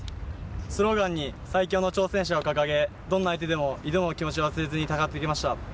スローガンに「最強の挑戦者」を掲げどんな相手でも挑む気持ちを忘れずに戦ってきました。